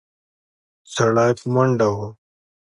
سړی په منډه و.